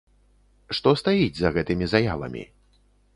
Што стаіць за гэтымі заявамі?